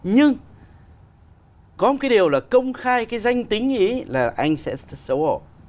nhưng có một cái điều là công khai cái danh tính ý là anh sẽ xấu hổ